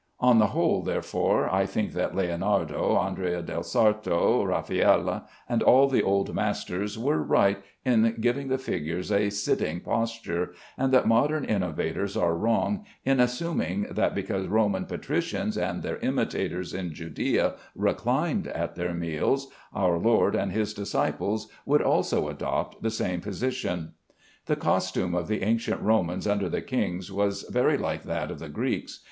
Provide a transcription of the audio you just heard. On the whole, therefore, I think that Leonardo, Andre del Sarto, Raffaelle, and all the old masters were right in giving the figures a sitting posture, and that modern innovators are wrong in assuming that because Roman patricians and their imitators in Judæa reclined at their meals, our Lord, and his disciples would also adopt the same position. The costume of the ancient Romans under the kings was very like that of the Greeks.